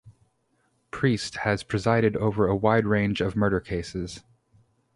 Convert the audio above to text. Priest has presided over a wide range of murder cases.